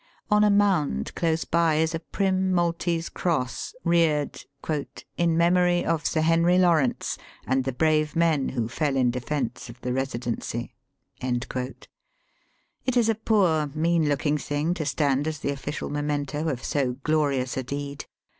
On a mound close by is a prim Maltese cross reared *^ in memory of Sir Henry Lawrence and the brave men who fell in defence of the Eesidency." It is a poor, mean looking thing to stand as the ofl&cial memento of so glorious a deed.